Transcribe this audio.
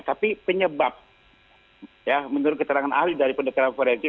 tapi penyebab ya menurut keterangan ahli dari pendekatan forensik